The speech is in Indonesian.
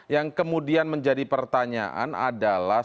yang kemudian menjadi pertanyaan adalah